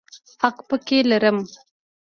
حق پکې لرم.